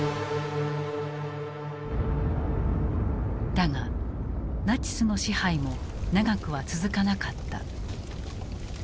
だがナチスの支配も長くは続かなかった。